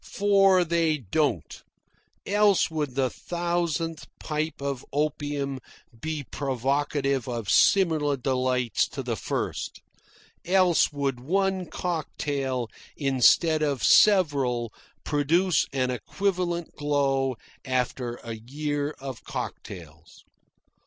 For they don't, else would the thousandth pipe of opium be provocative of similar delights to the first, else would one cocktail, instead of several, produce an equivalent glow after a year of cocktails.